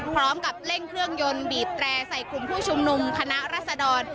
พร้อมกับเร่งเครื่องยนต์บีบแตร่ใส่กลุ่มผู้ชุมนุมคณะรัศดร